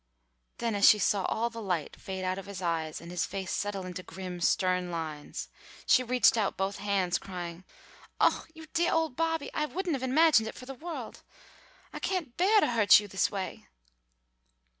Then as she saw all the light fade out of his eyes and his face settle into grim stern lines, she reached out both hands crying, "Oh, you deah old Bobby! I wouldn't have had it happen for the world! I can't beah to hurt you this way!"